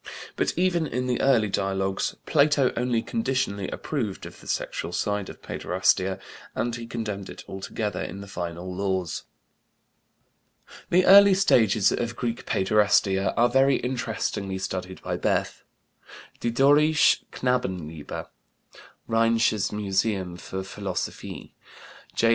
But even in the early dialogues Plato only conditionally approved of the sexual side of paiderastia and he condemned it altogether in the final Laws. The early stages of Greek paiderastia are very interestingly studied by Bethe, "Die Dorische Knabenliebe," Rheinisches Museum für Philologie, 1907.